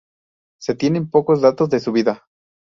Se tienen pocos datos de su vida.